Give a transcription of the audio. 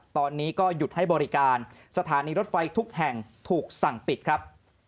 ตอนนี้ก็หยุดให้บริการสถานีรถไฟทุกแห่งถูกสั่งปิดครับ